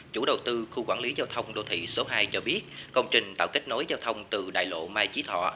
chủ đầu tư khu quản lý giao thông đô thị số hai cho biết công trình tạo kết nối giao thông từ đại lộ mai chí thọ